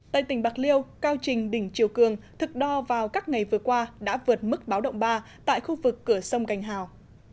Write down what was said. tại tỉnh bạc liêu cao trình đỉnh chiều cường thực đo vào các ngày vừa qua đã vượt mức báo động ba tại khu vực cửa sông cành hào